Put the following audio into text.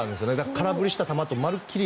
空振りした球と丸っきり